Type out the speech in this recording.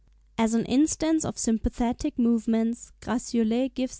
As an instance of sympathetic movements Gratiolet gives (p.